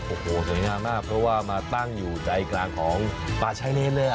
โอ้โหสวยงามมากเพราะว่ามาตั้งอยู่ใจกลางของป่าชายเลนเลย